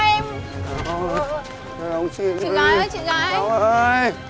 chị gái ơi chị gái